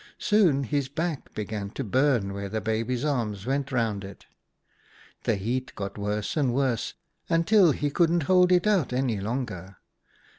Soon his back began to burn where the baby's arms went round it. The heat got worse and worse, until he couldn't hold it out any longer.